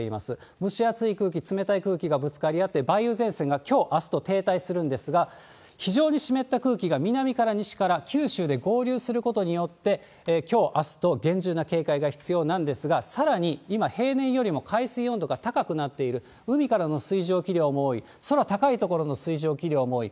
蒸し暑い空気、冷たい空気がぶつかり合って、梅雨前線がきょう、あすと停滞するんですが、非常に湿った空気が南から西から、九州で合流することによって、きょう、あすと厳重な警戒が必要なんですが、さらに今、平年よりも海水温度が高くなっている、海からの水蒸気量も多い、空高い所の水蒸気量も多い。